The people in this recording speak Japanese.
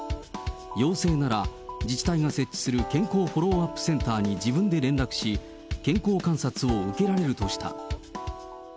陽性なら自治体が設置する健康フォローアップセンターに自分で連絡し、健康観察を受けられるとした。